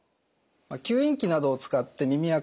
吸引器などを使って耳あか